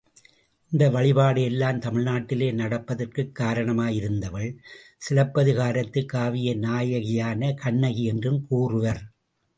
இந்த வழிபாடு எல்லாம் தமிழ்நாட்டிலே நடப்பதற்கு காரணமாயிருந்தவள், சிலப்பதிகாரத்து காவிய நாயகியான கண்ணகி என்றும் கூறுவர்.